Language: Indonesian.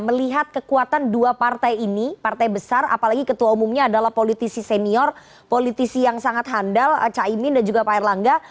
melihat kekuatan dua partai ini partai besar apalagi ketua umumnya adalah politisi senior politisi yang sangat handal caimin dan juga pak erlangga